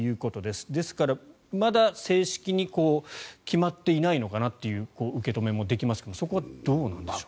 ですから、まだ正式に決まっていないのかなという受け止めもできますがそこはどうなんでしょう。